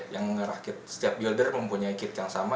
yang merakit setiap builder mempunyai kit yang sama